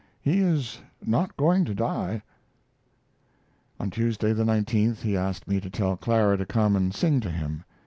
He is not going to die." On Tuesday, the 19th, he asked me to tell Clara to come and sing to him.